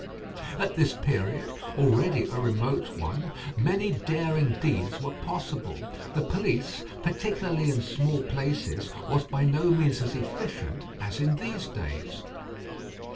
At this period, already a remote one, many daring deeds were possible. The police particularly in small places was by no means as efficient as in these days.